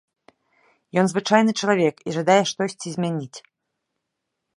Ён звычайны чалавек і жадае штосьці змяніць?